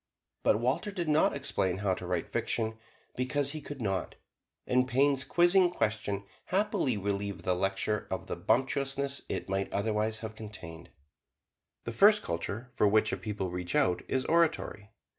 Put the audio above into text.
But Walter did not explain how to write fiction, because he could not, and Payn's quizzing question happily relieved the lecture of the bumptiousness it might otherwise have contained. The first culture for which a people reach out is oratory.